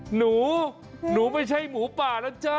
หนูหนูไม่ใช่หมูป่านะจ๊ะ